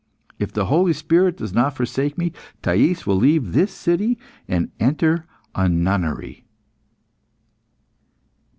If the Holy Spirit does not forsake me, Thais will leave this city and enter a nunnery."